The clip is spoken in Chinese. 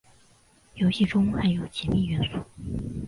游戏中含有解密元素。